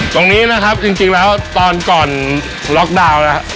ตรงนี้นะครับจริงแล้วตอนก่อนล็อกดาวน์นะครับ